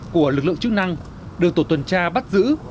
của lực lượng chức năng được tổ tuần tra bắt giữ